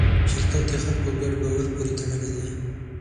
شرکت د خلکو ګډ باور پورې تړلی دی.